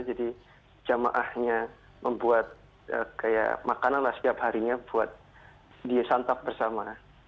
jadi jamaahnya membuat kayak makanan lah setiap harinya buat disantap bersama